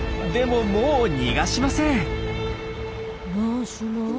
でももう逃がしません。